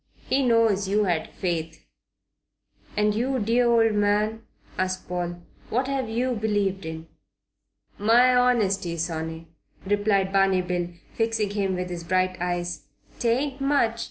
He knows you had faith." "And you, dear old man?" asked Paul, "what have you believed in?" "My honesty, sonny," replied Barney Bill, fixing him with his bright eyes. "'Tain't much.